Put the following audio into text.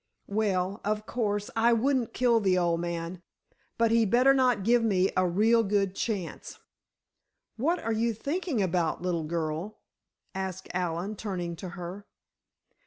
Well, of course I wouldn't kill the old man, but he'd better not give me a real good chance!" "What are you thinking about, little girl?" asked Allen, turning to her.